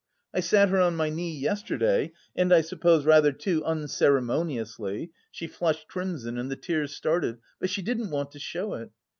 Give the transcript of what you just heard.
I sat her on my knee, yesterday, and I suppose rather too unceremoniously she flushed crimson and the tears started, but she didn't want to show it.